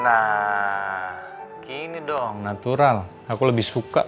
nah gini dong natural aku lebih suka tau